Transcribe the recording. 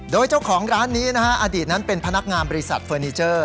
โดยเจ้าของร้านนี้นะฮะอดีตนั้นเป็นพนักงานบริษัทเฟอร์นิเจอร์